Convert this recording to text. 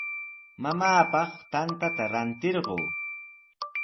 Mamaapaq tantata ratirquu.